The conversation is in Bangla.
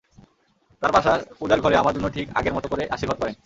তার বাসার পূজার ঘরে আমার জন্য ঠিক আগের মতো করে আশীর্বাদ করেন।